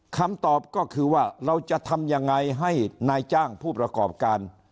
คำตอบก็คือว่าเราจะทำยังไงให้นายจ้างผู้ประกอบการ